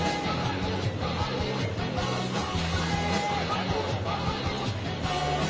เวลาที่มันได้รู้จักกันแล้วเวลาที่ไม่รู้จักกัน